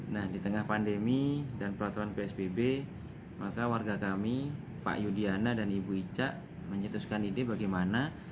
nah di tengah pandemi dan peraturan psbb maka warga kami pak yudiana dan ibu ica menyetuskan ide bagaimana